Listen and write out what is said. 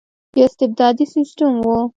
یو استبدادي سسټم وو.